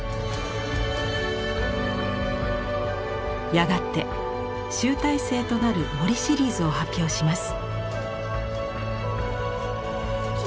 やがて集大成となる「森」シリーズを発表します。